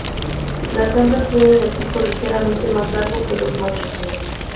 Las hembras tienen el pico ligeramente más largo que los machos.